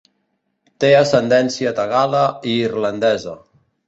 Té ascendència tagala i irlandesa.